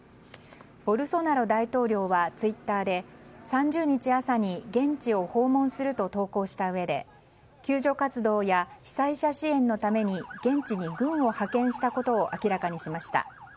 ボルソナロ大統領はツイッターで３０日朝に、現地を訪問すると投稿したうえで救助活動や被災者支援のために現地に軍を派遣したことを明らかにしました。